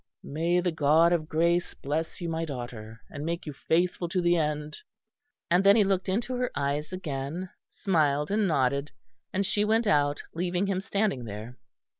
"May the God of grace bless you, my daughter; and make you faithful to the end." And then he looked into her eyes again, smiled and nodded; and she went out, leaving him standing there.